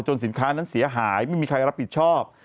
สินค้านั้นเสียหายไม่มีใครรับผิดชอบ